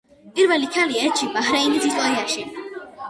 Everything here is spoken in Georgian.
პირველი ქალი ელჩი ბაჰრეინის ისტორიაში.